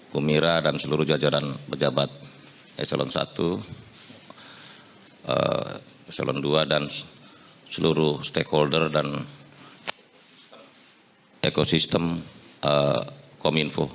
kumira dan seluruh jajaran pejabat eselon i eselon ii dan seluruh stakeholder dan ekosistem kominfo